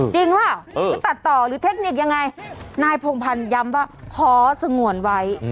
จริงป่ะหรือตัดต่อหรือเทคนิคยังไงนายพงพันธ์ย้ำว่าขอสงวนไว้